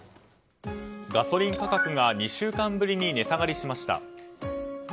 ガソリン価格が２週間ぶりに値下がりしました。